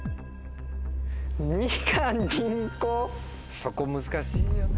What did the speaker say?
そこ難しいよね。